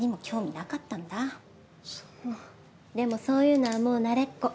でもそういうのはもう慣れっこ。